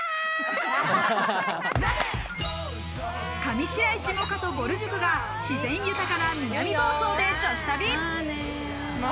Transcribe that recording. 上白石萌歌とぼる塾が自然豊かな南房総で女子旅。